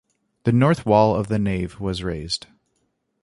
The north wall of the nave was raised.